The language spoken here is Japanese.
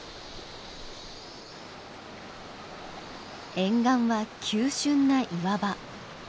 沿岸は急しゅんな岩場。